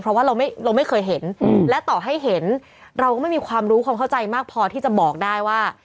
เพราะว่าเราไม่เคยเห็นและต่อให้เห็นเราก็ไม่มีความรู้ความเข้าใจมากพอที่จะบอกได้ว่า